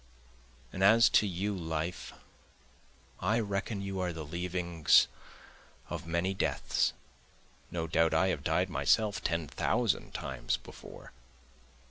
And as to you Life I reckon you are the leavings of many deaths, (No doubt I have died myself ten thousand times before.)